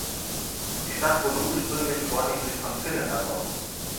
Die Stadt wurde ursprünglich vornehmlich von Finnen erbaut.